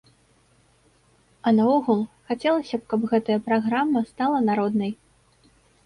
А наогул, хацелася б, каб гэтая праграма стала народнай.